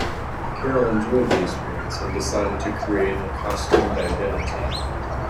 Carol enjoyed the experience and decided to create a costumed identity.